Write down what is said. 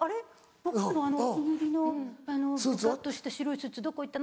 僕のお気に入りのぶかっとした白いスーツどこ行ったの？」。